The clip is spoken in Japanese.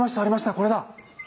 これだ！